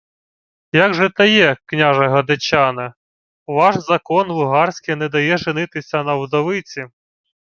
— Як же то є, княже Годечане? Ваш закон лугарський не дає женитися на вдовиці.